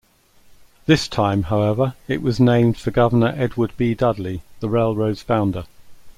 This time, however, it was named for Governor Edward B. Dudley, the railroad's founder.